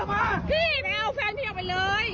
พี่ไม่เอาแฟนพี่ออกไปเลย